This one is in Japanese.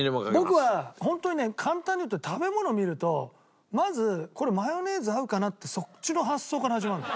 僕は本当にね簡単に言うと食べ物を見るとまずこれマヨネーズ合うかな？ってそっちの発想から始まるの。